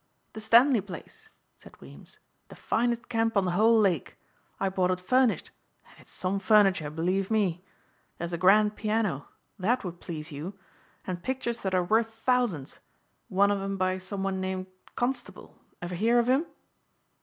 "The Stanley place," said Weems. "The finest camp on the whole Lake. I bought it furnished and it's some furniture believe me. There's a grand piano that would please you and pictures that are worth thousands, one of 'em by some one named Constable. Ever hear of him?"